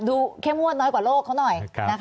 เข้มงวดน้อยกว่าโลกเขาหน่อย